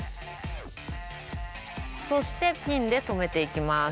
そしてピンで留めていきます。